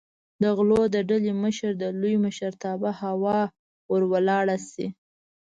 د غلو د ډلې مشر د لوی مشرتابه هوا ور ولاړه شي.